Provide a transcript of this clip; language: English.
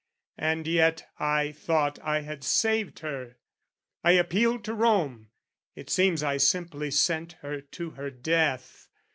And yet I thought I had saved her. I appealed to Rome: It seems I simply sent her to her death.